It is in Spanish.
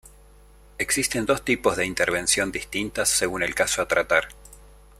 Existen dos tipos de intervención distintas según el caso a tratar.